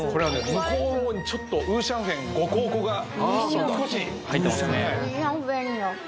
向こうの方にちょっとウーシャンフェン五香粉がほんの少しはい入ってますね